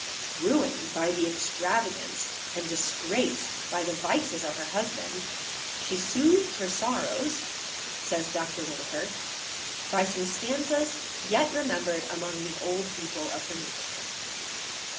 âRuined by the extravagance, and disgraced by the vices of her husband, she soothed her sorrows,â says Dr. Whitaker, âby some stanzas yet remembered among the old people of her neighbourhood.